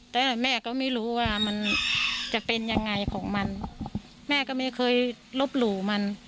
แต่แม่ก็ไม่รู้ว่ามันจะเป็นยังไงของมันแม่ก็ไม่เคยลบหลู่มัน